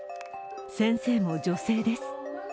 先生も女性です。